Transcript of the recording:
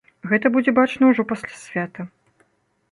Гэта будзе бачна ўжо пасля свята.